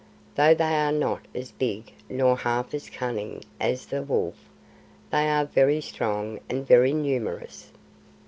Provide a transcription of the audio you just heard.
Though they are not as big nor half as cunning as the wolf, they are very strong and very numerous.